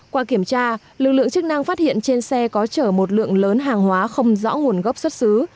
qua kiểm tra lực lượng chức năng phát hiện trên xe có chở một lượng lớn hàng hóa không rõ nguồn gốc xuất xứ